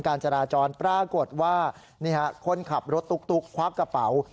การจราจรปรากฏว่านี่ฮะคนขับรถตุ๊กควักกระเป๋า